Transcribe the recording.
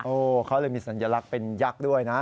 เขาเลยมีสัญลักษณ์เป็นยักษ์ด้วยนะ